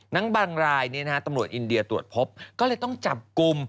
บางรายตำรวจอินเดียตรวจพบก็เลยต้องจับกลุ่ม